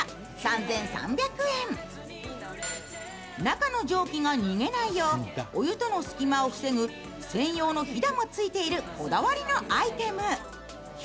中の蒸気が逃げないよう、お湯との隙間を防ぐ専用のひだもついているこだわりのアイテム。